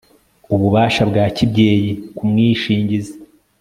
ububasha bwa kibyeyi k umwishingizi